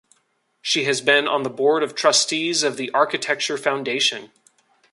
She has been on the Board of Trustees of The Architecture Foundation.